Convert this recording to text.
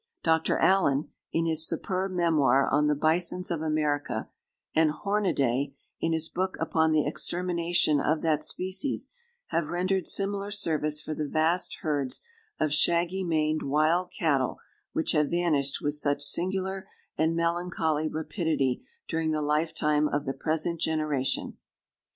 Dr. Allen, in his superb memoir on the bisons of America, and Hornaday, in his book upon the extermination of that species, have rendered similar service for the vast herds of shaggy maned wild cattle which have vanished with such singular and melancholy rapidity during the lifetime of the present generation.